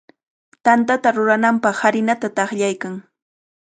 Tantata rurananpaq harinata taqllaykan.